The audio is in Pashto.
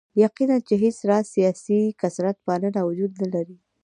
یقیناً چې هېڅ راز سیاسي کثرت پالنه وجود نه لري.